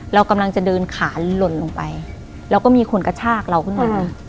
เรากำลังจะเดินขาหล่นลงไปแล้วก็มีคนกระชากเราขึ้นมา